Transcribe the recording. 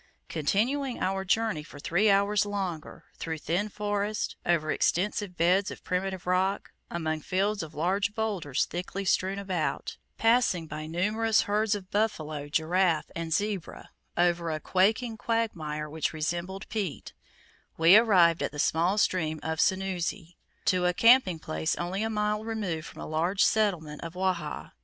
Continuing our journey for three hours longer, through thin forests, over extensive beds of primitive rock, among fields of large boulders thickly strewn about, passing by numerous herds of buffalo, giraffe, and zebra, over a quaking quagmire which resembled peat, we arrived at the small stream of Sunuzzi, to a camping place only a mile removed from a large settlement of Wahha.